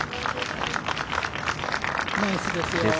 ナイスですよ。